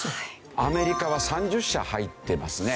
アメリカは３０社入ってますね。